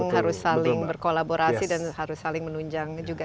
harus saling berkolaborasi dan harus saling menunjang juga